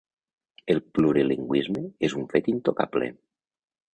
El plurilingüisme és un fet intocable.